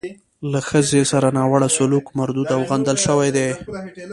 له ښځې سره ناوړه سلوک مردود او غندل شوی دی.